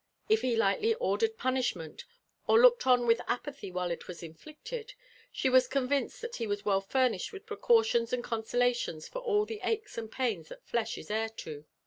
If he lightly ordered punishment, or looked on with apathy while it was inflicted, she was convinced that he was well furnished with precautions and consolations for all the aches and pains that flesh is heir to.